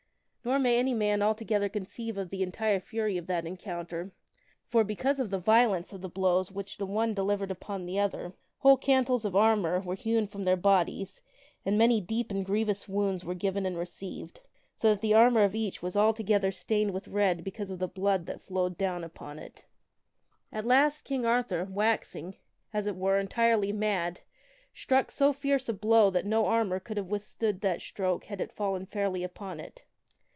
Nor may any man altogether con ceive of the entire fury of that encounter, for, because of the violence of the blows which the one delivered upon the other, whole r i f i J J The cantels of armor were hewn from their bodies and many deep jigktvntk and grievous wounds were given and received, so that the swords upon armor oi each was altogether stained with red because of the blood that flowed down upon it. At last King Arthur, waxing, as it were, entirely mad, struck so fierce a blow that no armor could have withstood that stroke had it fallen fairly upon it.